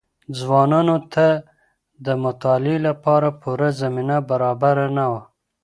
ځوانانو ته د مطالعې لپاره پوره زمينه برابره نه وه.